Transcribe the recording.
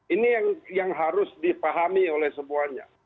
ini yang harus dipahami oleh semuanya